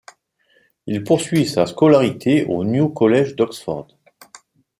Il poursuit sa scolarité au New College d’Oxford.